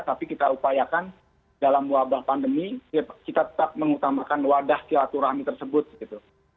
tapi kita upayakan dalam wabah pandemi kita tetap mengutamakan wadah silaturahmi tersebut gitu